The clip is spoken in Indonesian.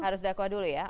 harus dakwah dulu ya